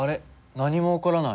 何も起こらない。